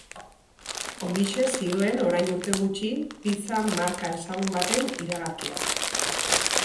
Horixe zioen orain urte gutxi pizza marka ezagun baten iragarkiak.